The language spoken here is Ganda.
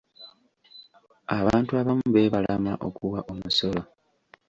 Abantu abamu beebalama okuwa omusolo.